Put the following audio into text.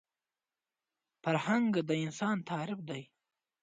فرهنګ د انسان تعریف دی